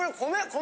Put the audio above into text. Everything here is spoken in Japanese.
米！